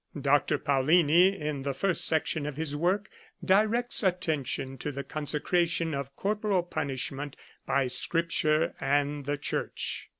Dr. Paullini, in the first section of his work, directs attention to the consecration of corporal punishment by Scripture and the Church.